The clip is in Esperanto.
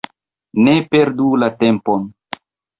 Ne perdu la tempon!